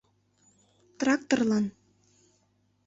— Тракторлан.